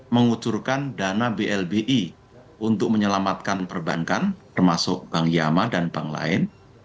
mengucurkan dana blbi untuk menyelamatkan perbankan termasuk bank yama dan bank lain